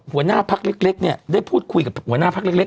หัวหน้าพักเล็กเนี่ยได้พูดคุยกับหัวหน้าพักเล็ก